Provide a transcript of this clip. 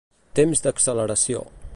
Temps d'acceleració.